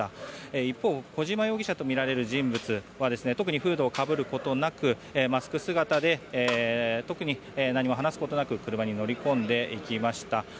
一方小島容疑者とみられる人物は特にフードをかぶることなくマスク姿で特に何も話すことなく車に乗り込んでいきました。